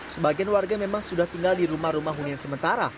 sebagian warga memang sudah tinggal di rumah rumah hunian sementara